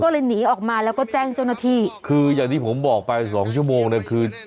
ก็เลยหนีออกมาแล้วก็แจ้งเจ้าหน้าที่คืออย่างที่ผมบอกไปสองชั่วโมงเนี่ยคือ